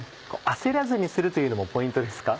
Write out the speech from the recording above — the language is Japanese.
焦らずにするというのもポイントですか？